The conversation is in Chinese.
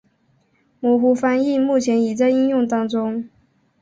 模糊翻译目前已在应用当中。